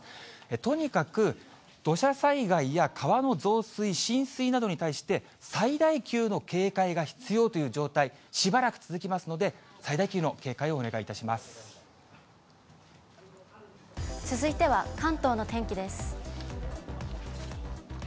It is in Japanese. とにかく、土砂災害や川の増水、浸水などに対して、最大級の警戒が必要という状態、しばらく続きますので、続いては関東の天気です。